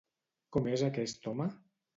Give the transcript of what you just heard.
Com és aquest home?